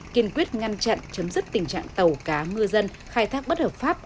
kiên quyết ngăn chặn chấm dứt tình trạng tàu cá ngư dân khai thác bất hợp pháp